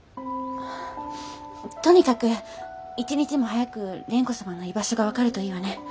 とにかく一日も早く蓮子様の居場所が分かるといいわね。